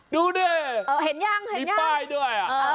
ดูดิมีป้ายด้วยอ่ะ